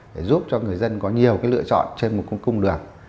để giúp cho người dân có nhiều cái lựa chọn trên một cung đường